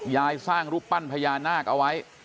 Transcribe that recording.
ยายสร้างรูปปั้นพญานาคเอาไว้